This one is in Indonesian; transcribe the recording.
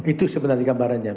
itu sebenarnya gambarannya